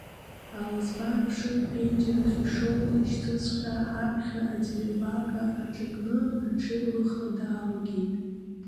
Аласба амшын-ԥенџьырахь ишоулышьҭызҵәҟьа, аԥхьа ателербага аҿакны, аҽеилыхра далагеит.